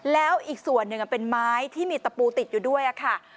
แล้วอีกส่วนหนึ่งเป็นไม้ที่มีตะปูติดอยู่ด้วยค่ะ